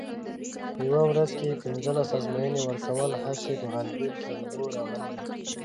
په یوه ورځ کې پینځه ازموینې ورکول هسې په غلبېل کې اوبه راوړل دي.